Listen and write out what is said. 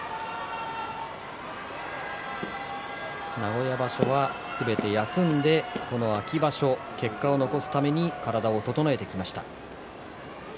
名古屋場所はすべて休んでこの秋場所、結果を残すために体を整えてきました。